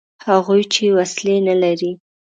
هغوی چې وسلې نه لري.